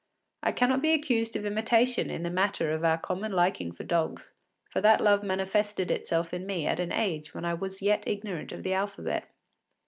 I cannot be accused of imitation in the matter of our common liking for dogs, for that love manifested itself in me at an age when I was yet ignorant of the alphabet.